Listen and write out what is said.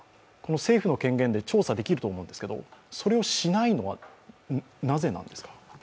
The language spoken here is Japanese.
政府の権限で調査できると思うんですが、それをしないのは、なぜなんですか？